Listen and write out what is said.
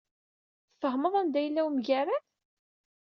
Tfehmeḍ anda yella wemgerrad?